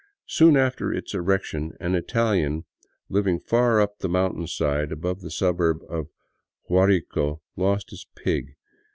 Soon after its erection an Indian living far up the mountain side above the suburb of Guarico lost his pig.